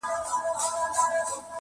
چيغې د شپې فضا ډکوي ډېر,